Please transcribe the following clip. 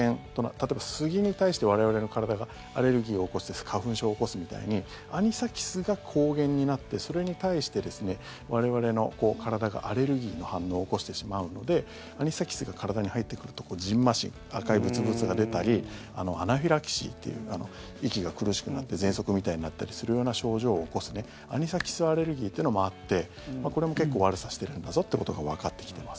例えば、スギに対して我々の体がアレルギーを起こして花粉症を起こすみたいにアニサキスが抗原になってそれに対して我々の体がアレルギーの反応を起こしてしまうのでアニサキスが体に入ってくるとじんましん赤いブツブツが出たりアナフィラキシーという息が苦しくなってぜんそくみたいになったりするような症状を起こすアニサキスアレルギーというのもあってこれも結構悪さしてるんだぞということがわかってきています。